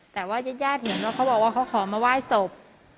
แต่ว่ายาดเห็นว่าเขาบอกว่าเขาขอมาไหว้ศพ